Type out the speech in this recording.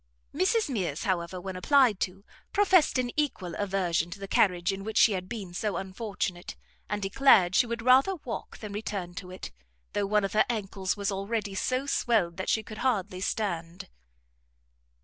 Mrs Mears, however, when applied to, professed an equal aversion to the carriage in which she had been so unfortunate, and declared she would rather walk than return to it, though one of her ancles was already so swelled that she could hardly stand.